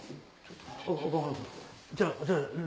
じゃあ。